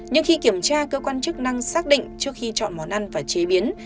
nhưng khi kiểm tra cơ quan chức năng xác định trước khi chọn món ăn và chế biến